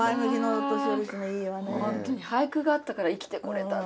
本当に俳句があったから生きてこれた。